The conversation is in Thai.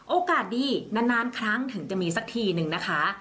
โอกาสดีนานครั้งถึงจะมีสักทีนึงนะคะ